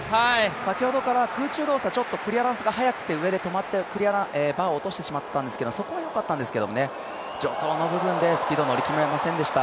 先ほどから空中動作、ちょっとクリアランスが早くて上で止まってバーを落としてしまっていたんですけど、そこはよかったんですけど、助走の部分でスピードに乗り切れませんでした。